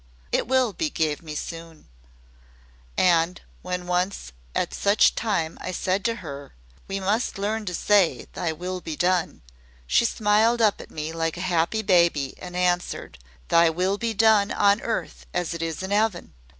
It will be gave me soon,' and when once at such a time I said to her, 'We must learn to say, Thy will be done,' she smiled up at me like a happy baby and answered: "'Thy will be done on earth AS IT IS IN 'EAVEN.